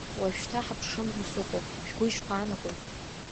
Уажәшьҭа ҳаԥшрым хәа сыҟоуп, шәгәы ишԥаанагои?